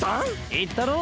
⁉言ったろ？